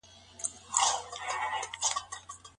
آیا په شريعت کي د تعليم مخالفت سته؟